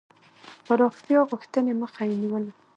پراختیا غوښتني مخه یې نیوله.